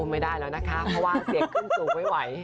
ไม่ได้แล้วนะคะเพราะว่าเสียงขึ้นสูงไม่ไหว